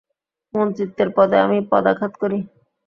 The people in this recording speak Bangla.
মন্ত্রিত্বের পদে আমি পদাঘাত করি।